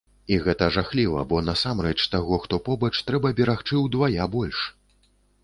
І гэта жахліва, бо насамрэч, таго, хто побач, трэба берагчы ўдвая больш.